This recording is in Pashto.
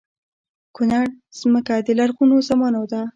کونړ ځمکه د لرغونو زمانو ده